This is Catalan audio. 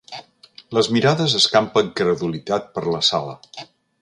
Les mirades escampen credulitat per la sala.